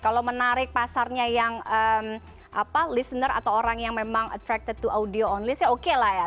kalau menarik pasarnya yang listener atau orang yang memang attracted to audio onlys ya oke lah ya